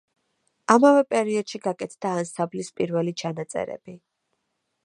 ამავე პერიოდში გაკეთდა ანსამბლის პირველი ჩანაწერები.